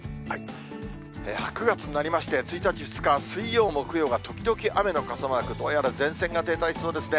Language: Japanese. ９月になりまして、１日、２日、水曜、木曜が時々雨の傘マーク、どうやら前線が停滞しそうですね。